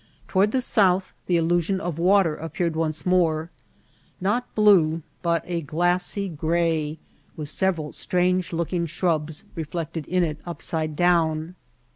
Toward the south the illu sion of water appeared once more, not blue but a glassy gray with several strange looking shrubs reflected in it upside down.